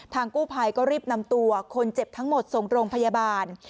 กู้ภัยก็รีบนำตัวคนเจ็บทั้งหมดส่งโรงพยาบาล